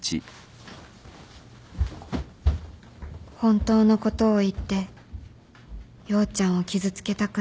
本当のことを言って陽ちゃんを傷つけたくない